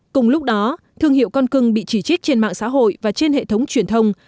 cùng lúc đó thương hiệu con cưng bị chỉ trích trên mạng xã hội và trên hệ thống truyền thông